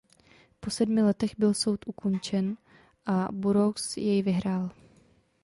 Po sedmi letech byl soud ukončen a Burroughs jej vyhrál.